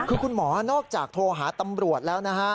คือคุณหมอนอกจากโทรหาตำรวจแล้วนะฮะ